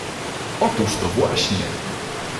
— Otóż to właśnie.